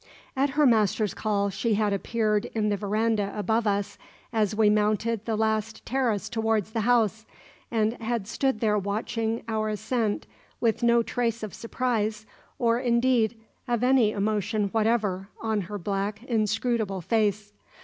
At her master's call she had appeared in the verandah above us as we mounted the last terrace towards the house, and had stood there watching our ascent with no trace of surprise, or, indeed, of any emotion whatever, on her black, inscrutable face.